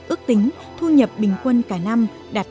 ước tính thu nhập bình quân cả năm đạt